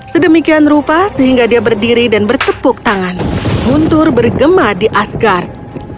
sedemikian rupa sehingga dia berdiri dan bertepuk tangan guntur bergema di asgard